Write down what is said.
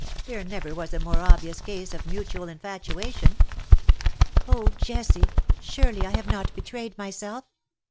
There never was a more obvious case of mutual infatuation." VOL. I. H 98 '" Oh, Jessie ! surely I have not betrayed myself.